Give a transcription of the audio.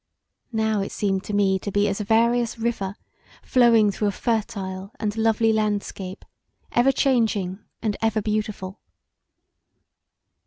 Now it seemed to me to be as a various river flowing through a fertile and lovely lanscape, ever changing and ever beautiful.